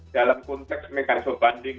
dalam konteks mekanisme banding